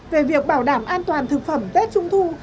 về việc bảo đảm an toàn thực phẩm tết trung thu